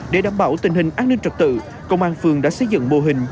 để đảm bảo tình hình an ninh trật tự công an phường đã xây dựng mô hình